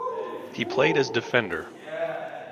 He played as defender.